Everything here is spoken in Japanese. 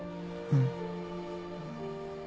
うん。